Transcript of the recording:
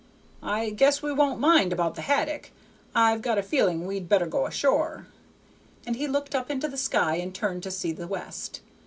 "I guess we won't mind about the haddock. I've got a feelin' we'd better go ashore." And he looked up into the sky and turned to see the west.